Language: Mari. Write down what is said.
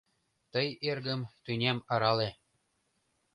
«Тый, эргым, тӱням арале